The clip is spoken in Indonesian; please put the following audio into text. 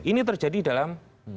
ini terjadi dalam